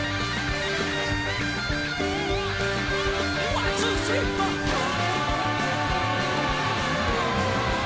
ワンツースリーフォー！